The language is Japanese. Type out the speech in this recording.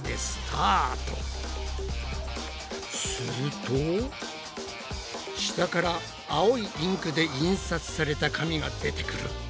すると下から青いインクで印刷された紙が出てくる。